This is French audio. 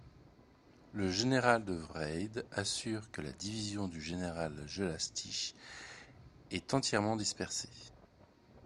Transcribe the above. Le général de Wrede assure que la division du général Jellachich est entièrement dispersée.